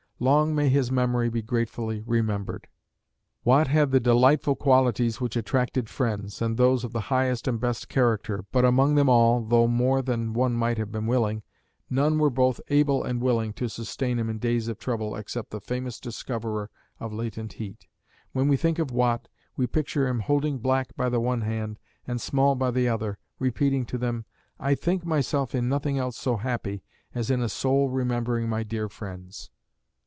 Long may his memory be gratefully remembered. Watt had the delightful qualities which attracted friends, and those of the highest and best character, but among them all, though more than one might have been willing, none were both able and willing to sustain him in days of trouble except the famous discoverer of latent heat. When we think of Watt, we picture him holding Black by the one hand and Small by the other, repeating to them "I think myself in nothing else so happy As in a soul remembering my dear friends."